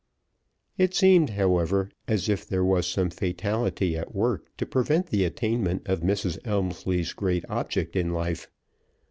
It seemed, however, as if there was some fatality at work to prevent the attainment of Mrs. Elmslie's great object in life.